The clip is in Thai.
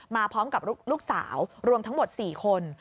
มาพร้อมกับลูกสาวรวมทั้งหมด๔คน